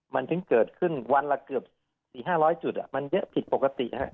มันถึงเกิดขึ้นวันละเกือบสี่ห้าร้อยจุดอ่ะมันเยอะผิดปกติฮะ